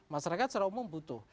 masyarakat secara umum butuh